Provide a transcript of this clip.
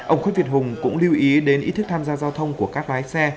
ông khuất việt hùng cũng lưu ý đến ý thức tham gia giao thông của các lái xe